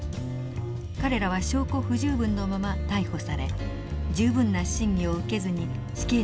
彼らは証拠不十分のまま逮捕され十分な審議を受けずに死刑の判決を受けます。